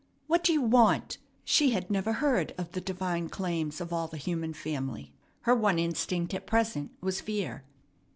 "What do you want?" She had never heard of the divine claims of all the human family. Her one instinct at present was fear.